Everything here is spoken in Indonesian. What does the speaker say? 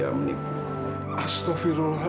aku mau kejujuran